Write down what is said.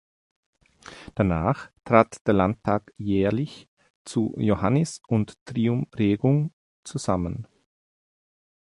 Danach trat der Landtag jährlich „zu Johannis und Trium Regum“ zusammen.